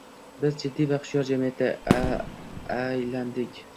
Biz jiddiy va hushyor jamiyatga aylandik